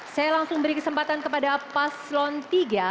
saya langsung beri kesempatan kepada pak slon iii